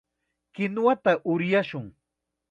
Kinuwata uryashun.